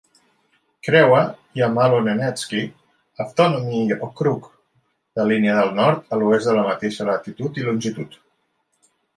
Creua Yamalo-Nenetsky Avtonomny Okrug la línia del nord a l'oest de la mateixa latitud i longitud.